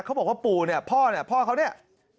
เขาบอกว่าปู่เนี่ยพ่อเนี่ยพ่อเขาเนี่ย